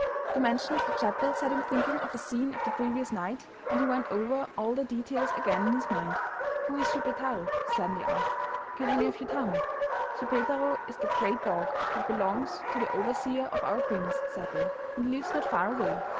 The mention of the chapel set him thinking of the scene of the previous night, and he went over all the details again in his mind. 'Who is Schippeitaro?' he suddenly asked; 'can any of you tell me?' 'Schippeitaro is the great dog that belongs to the overseer of our prince,' said they; 'and he lives not far away.